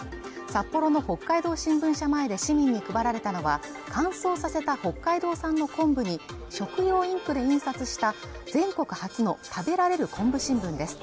札幌の北海道新聞社前で市民に配られたのは乾燥させた北海道産の昆布に食用インクで印刷した全国初の食べられる昆布新聞です